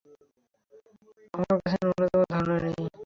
আমার কাছে নুন্যতম ধারণা নেই।